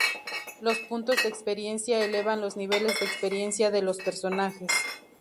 Los puntos de experiencia elevan los niveles de experiencia de los personajes.